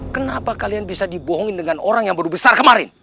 kenapa kalian bisa dibohongin dengan orang yang baru besar kemarin